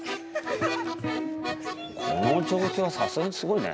この状況はさすがにすごいね。